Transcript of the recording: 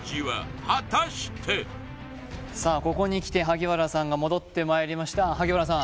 さあここに来て萩原さんが戻ってまいりました萩原さん